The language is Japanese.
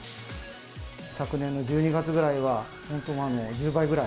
昨年の１２月ぐらいは、本当１０倍ぐらい。